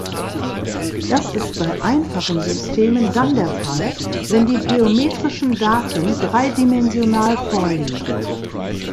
Das ist bei einfachen Systemen dann der Fall, wenn die geometrischen Daten dreidimensional vorliegen.